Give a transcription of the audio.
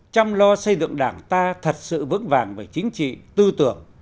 chăm lo xây dựng đảng ta thật sự vững vàng về chính trị tư tưởng